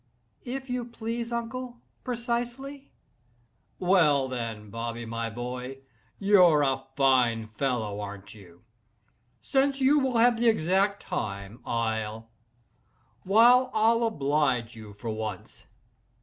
"If you please, uncle—precisely." "Well, then, Bobby, my boy—you're a fine fellow, aren't you?—since you will have the exact time I'll—why I'll oblige you for once."